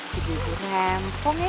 sibibu rempong ya